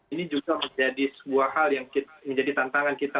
ini juga menjadi sebuah hal yang menjadi tantangan kita